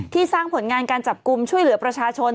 สร้างผลงานการจับกลุ่มช่วยเหลือประชาชน